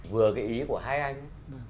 vừa cái ý của hai anh